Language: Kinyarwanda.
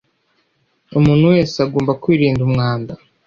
umuntu wese agomba kwirinda umwanda